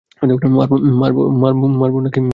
মারবো নাকি ছেড়ে দেব?